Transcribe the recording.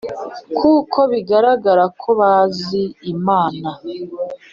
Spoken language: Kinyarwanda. kuko bigaragara ko bazi Imana